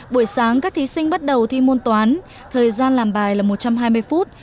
buổi sáng các thí sinh bắt đầu thi môn toán thời gian làm bài là một trăm hai mươi phút